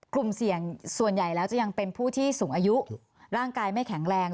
กลุ่มเสี่ยงส่วนใหญ่แล้วจะยังเป็นผู้ที่สูงอายุร่างกายไม่แข็งแรง